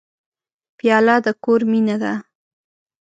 پیاله د کور مینه ده.